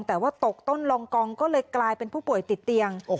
แต่ว่าตกต้นลองกองก็เลยกลายเป็นผู้ป่วยติดเตียง